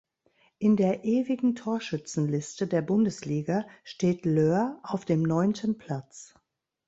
In der Ewigen Torschützenliste der Bundesliga steht Löhr auf dem neunten Platz.